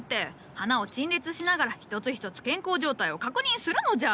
花を陳列しながら一つ一つ健康状態を確認するのじゃ！